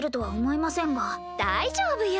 大丈夫よ。